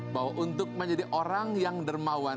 bahwa untuk menjadi orang yang dermawan